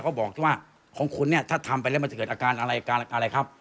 แล้วก็บอกว่าของคุณเนี้ยถ้าทำไปแล้วมันจะเกิดอาการอะไรอาการอะไรครับ